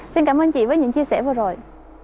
xin cảm ơn chị với những chia sẻ vừa rồi